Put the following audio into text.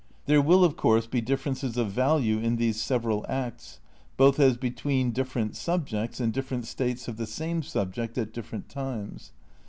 There will, of course, be dif ferences of value in these several acts, both as be tween different subjects and different states of the same subject at different times.